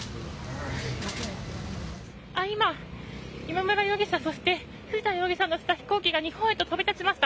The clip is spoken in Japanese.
今、今村容疑者藤田容疑者を乗せた飛行機が日本へと飛び立ちました。